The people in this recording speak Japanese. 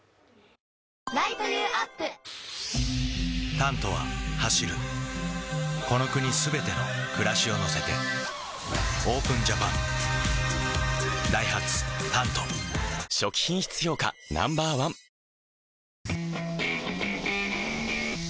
「タント」は走るこの国すべての暮らしを乗せてＯＰＥＮＪＡＰＡＮダイハツ「タント」初期品質評価ＮＯ．１プシューッ！